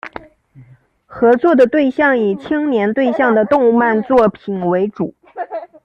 合作的对象以青年对象的动漫作品为主。